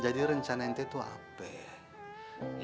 jadi rencana ente itu apa ya